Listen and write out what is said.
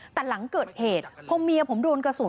แต่หลังเกิดเหตุพอเมียผมโดนกระสุน